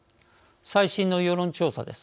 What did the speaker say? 最新の世論調査です。